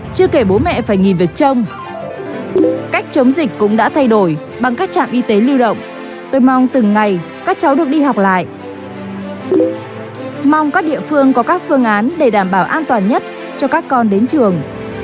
các địa phương có các phương án để đảm bảo an toàn nhất cho các con đến trường